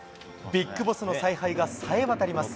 ビッグボスの采配がさえ渡ります。